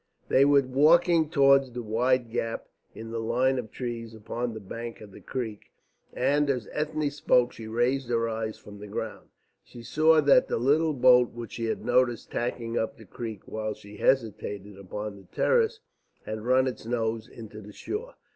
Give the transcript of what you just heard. They were walking toward the wide gap in the line of trees upon the bank of the creek, and as Ethne spoke she raised her eyes from the ground. She saw that the little boat which she had noticed tacking up the creek while she hesitated upon the terrace had run its nose into the shore.